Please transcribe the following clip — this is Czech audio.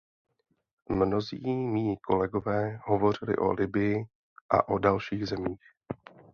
Mnozí mí kolegové hovořili o Libyi a o dalších zemích.